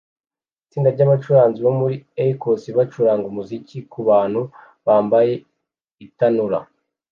Itsinda ryabacuranzi bo muri Ecosse bacuranga umuziki kubantu bambaye itanura